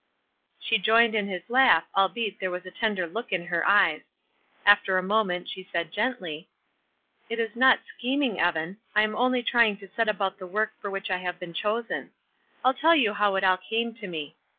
She joined in his laugh albeit, there was a tender look in her eyes. After a moment, she said, gently: "It is not scheming, Evan; I am only trying to set about the work for which I have been chosen. I'll tell you how it all came to me.